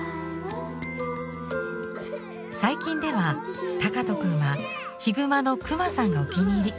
最近では敬斗くんは「ヒグマのクマさん」がお気に入り。